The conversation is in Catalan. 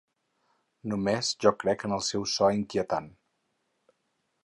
Només jo crec en el seu so inquietant.